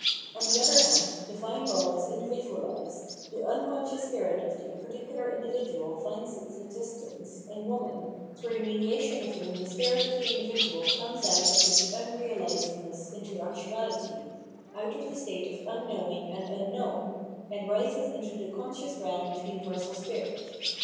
On the other hand, divine law is individuahsed, the unconscious spirit of the particular individual finds its existence, in woman, through the mediation of whom the spirit of the individual comes out of its unrealisedness into actuahty, out of the state of unknowing and rm known, and rises mto the conscious realm of universal spirit.